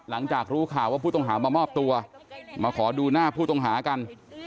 หลังจากรู้ข่าวว่าผู้ต้องหามามอบตัวมาขอดูหน้าผู้ต้องหากัน